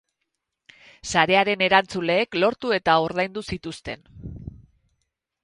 Sarearen erantzuleek lortu eta ordaindu zituzten.